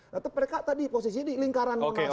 tepat mereka tadi posisinya di lingkaran monasterus